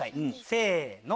せの！